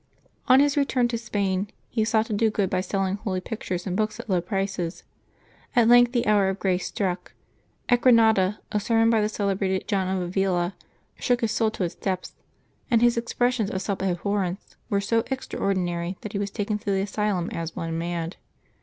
On his return to Spain he sought to do good by selling holy pictures and books at low prices. At length the hour of grace struck. At Granada a sermon by the celebrated John of Avila shook his soul to its depths, and his expressions of self abhorrence were so extraordi nary that he was taken to the asylum as one mad.